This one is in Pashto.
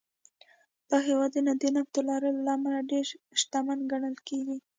دا هېوادونه د نفتو لرلو له امله ډېر شتمن ګڼل کېږي.